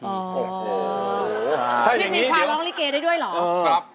พี่มีชาลองลิเกได้ด้วยเหรอ